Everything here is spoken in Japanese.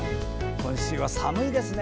今週は寒いですね。